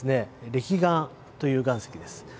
れき岩という岩石です。